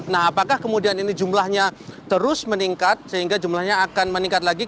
nah apakah kemudian ini jumlahnya terus meningkat sehingga jumlahnya akan meningkat lagi